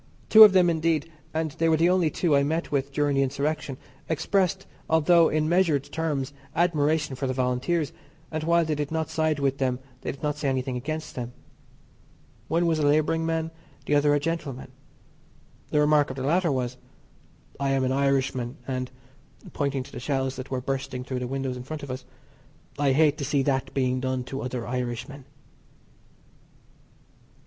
Two of them, indeed, and they were the only two I met with during the insurrection, expressed, although in measured terms, admiration for the Volunteers, and while they did not side with them they did not say anything against them. One was a labouring man, the other a gentleman. The remark of the latter was: "I am an Irishman, and (pointing to the shells that were bursting through the windows in front of us) I hate to see that being done to other Irishmen."